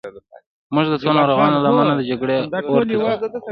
موږ د څو ناروغانو له امله د جګړې اور ته ځو